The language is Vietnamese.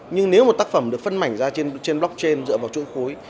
nhưng nếu một tác phẩm được phân mảnh ra trên blockchain dựa vào chuỗi khối